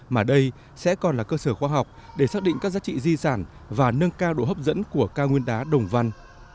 mà đây sẽ còn là cơ sở khoa học để xác định các giá trị di sản và nâng cao độ hấp dẫn của cao nguyên đá đồng văn